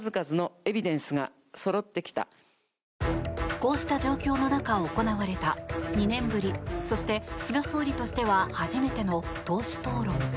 こうした状況の中行われた２年ぶりそして、菅総理としては初めての党首討論。